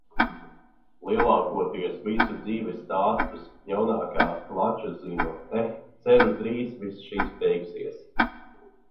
Lielākoties visu dzīvesstāstus, jaunākās klačas zinu. Eh, ceru drīz viss šis beigsies.